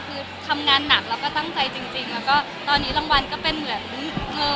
คือทำงานหนักแล้วก็ตั้งใจจริงแล้วก็ตอนนี้รางวัลก็เป็นเหมือน